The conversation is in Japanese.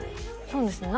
そうですね